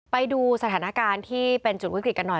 ไปดูสถานการณ์ที่เป็นจุดวิกฤตกันหน่อย